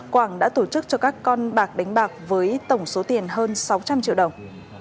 quảng đã tổ chức cho các con bạc đánh bạc với tổng số tiền hơn sáu trăm linh triệu đồng